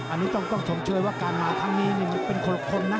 อันนี้ต้องต้องชมเชื่อว่าการมาทางนี้เนี่ยมันเป็นคนละคนนะ